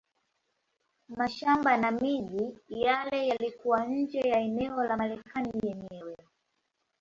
Mashamba na miji yale yalikuwa nje ya eneo la Marekani yenyewe.